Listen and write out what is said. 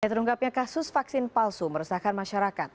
terungkapnya kasus vaksin palsu meresahkan masyarakat